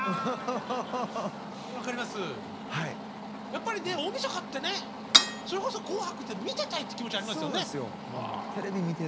やっぱりね大みそかってねそれこそ「紅白」って見てたいって気持ちありますよね？